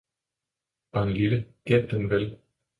Barnlille, gem den vel!